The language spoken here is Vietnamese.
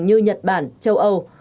như nhật bản châu âu